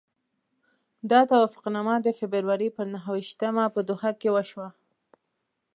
دا توافقنامه د فبروري پر نهه ویشتمه په دوحه کې وشوه.